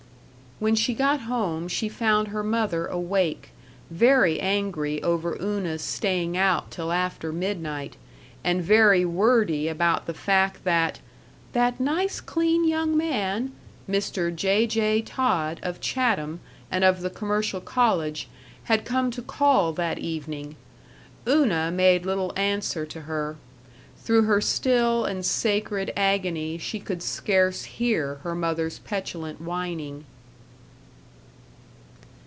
When she got home she found her mother awake, very angry over Una's staying out till after midnight, and very wordy about the fact that "that nice, clean young man," Mr. J. J. Todd, of Chatham and of the commercial college, had come to call that evening. Una made little answer to her. Through her still and sacred agony she could scarce hear her mother's petulant whining.